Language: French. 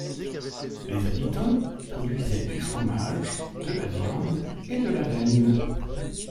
Les habitants produisaient du fromage, de la viande et de la laine.